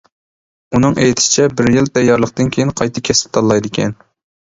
ئۇنىڭ ئېيتىشىچە بىر يىل تەييارلىقتىن كېيىن قايتا كەسىپ تاللايدىكەن.